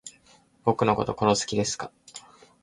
僕のこと殺す気ですか